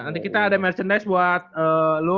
nanti kita ada merchandise buat lo